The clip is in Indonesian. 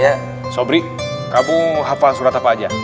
ya sobri kamu hafal surat apa aja